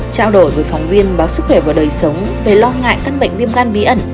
trao đổi với phóng viên báo sức khỏe và đời sống về lo ngại căn bệnh viêm gan bí ẩn